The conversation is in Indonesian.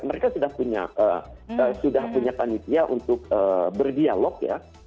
mereka sudah punya panitia untuk berdialog ya